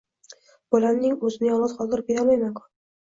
Bolamning o`zini yolg`iz qoldirib ketolmayman-ku